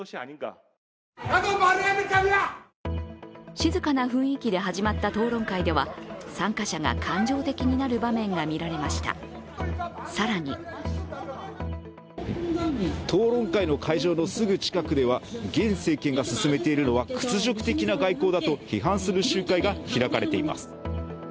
静かな雰囲気で始まった討論会では参加者が感情的になる場面が見られました、更に討論会の会場のすぐ近くでは現政権が進めているのは屈辱的な外交だと批判する集会が開かれています。